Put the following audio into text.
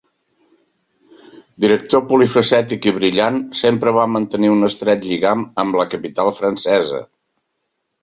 Director polifacètic i brillant, sempre va mantenir un estret lligam amb la capital francesa.